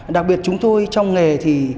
đặc biệt chúng tôi trong nghề thì